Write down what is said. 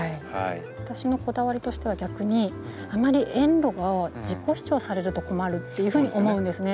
私のこだわりとしては逆にあまり園路が自己主張されると困るっていうふうに思うんですね。